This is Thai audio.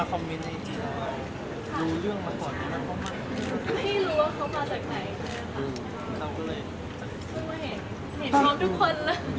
พูดไม่เห็นไม่เห็นพร้อมทุกคนเลย